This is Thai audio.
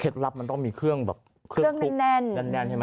ลับมันต้องมีเครื่องแบบเครื่องคลุกแน่นใช่ไหม